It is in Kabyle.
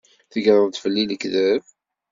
Tegreḍ-d fell-i lekdeb?